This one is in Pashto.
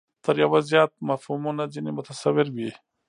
تر یوه زیات مفهومونه ځنې متصور وي.